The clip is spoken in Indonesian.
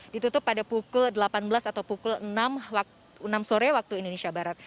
ditutup pada pukul delapan belas atau pukul enam sore waktu indonesia barat